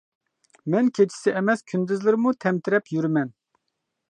مەن كېچىسى ئەمەس كۈندۈزلىرىمۇ تەمتىرەپ يۈرىمەن.